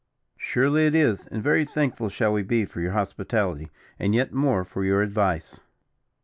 "Surely it is; and very thankful shall we be for your hospitality, and yet more for your advice.